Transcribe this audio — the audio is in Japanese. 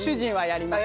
やります？